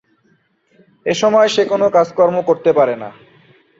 এসময় সে কোন কাজকর্ম করতে পারে না।